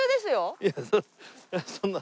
いやそんな。